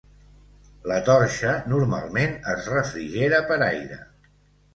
La torxa normalment es refrigera per aire.